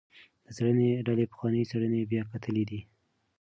د څیړنې ډلې پخوانۍ څیړنې بیا کتلي دي.